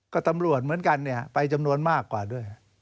ก็ตำรวจเหมือนกันเนี่ยไปจำนวนมากกว่าด้วย